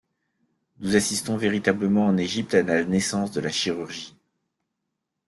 Nous assistons véritablement en Égypte à la naissance de la chirurgie.